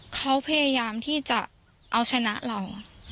เขาพยายามที่จะเอาชนะเรา